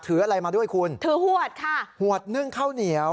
ถืออะไรมาด้วยคุณถือหวดค่ะหวดนึ่งข้าวเหนียว